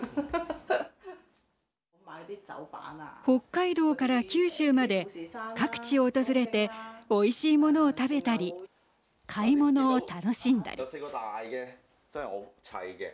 北海道から九州まで各地を訪れておいしいものを食べたり買い物を楽しんだり。